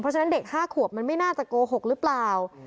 เพราะฉะนั้นเด็ก๕ขวบมันไม่น่าจะโกหกหรือเปล่า